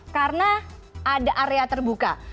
karena ada area terbuka